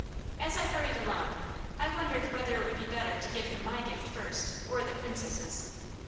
As I hurried along I wondered whether it would be better to give him my gift first, or the Princess'.